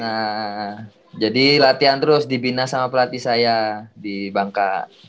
nah jadi latihan terus dibina sama pelatih saya di bangka